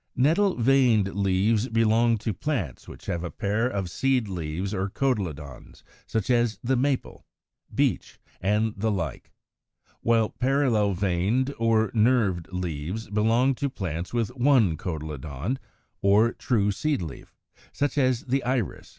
129. Netted veined leaves belong to plants which have a pair of seed leaves or cotyledons, such as the Maple (Fig. 20, 24), Beech (Fig. 33), and the like; while parallel veined or nerved leaves belong to plants with one cotyledon or true seed leaf; such as the Iris (Fig.